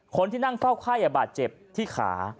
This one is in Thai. คนที่นั่งเฝ้าไข้บาดเจ็บที่ขา